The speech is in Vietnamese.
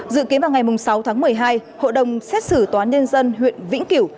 dự kiến vào ngày sáu tháng một mươi hai hội đồng xét xử toán nhân dân huyện vĩnh kiểu